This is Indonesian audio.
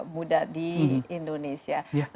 muda di indonesia